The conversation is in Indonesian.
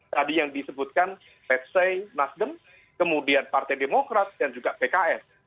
tadi yang disebutkan pet say nasdem kemudian partai demokrat dan juga pks